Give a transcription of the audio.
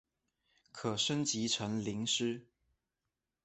可升级成麟师。